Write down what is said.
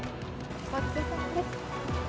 ごちそうさまです